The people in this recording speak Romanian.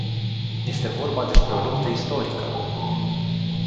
Este vorba despre o luptă istorică.